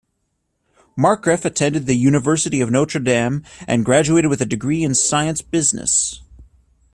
Markgraf attended the University of Notre Dame and graduated with a degree in Science-Business.